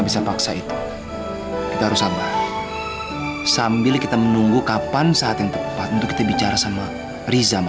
sampai jumpa di video selanjutnya